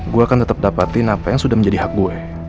gue akan tetap dapatin apa yang sudah menjadi hak gue